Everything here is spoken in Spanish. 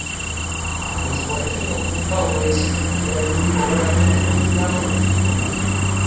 Los forajidos "Cowboys" eran un grupo vagamente conectado e informal.